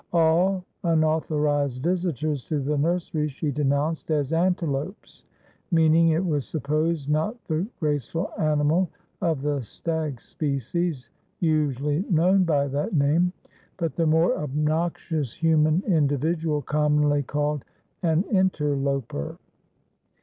All unauthorised visitors to the nursery she denounced as antelopes, meaning, it was supposed, not the grace ful animal of the stag species usually known by that name, but the more obnoxious human individual commonly called an inter loper.